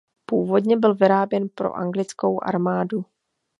Původně byl vyráběn pro anglickou armádu.